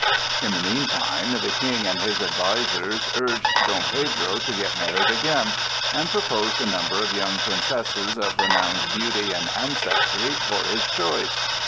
In the meantime the King and his advisers urged Dom Pedro to get married again, and proposed a number of young princesses of renowned beauty and ancestry for his choice.